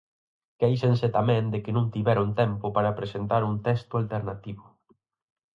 Quéixanse tamén de que non tiveron tempo para presentar un texto alternativo.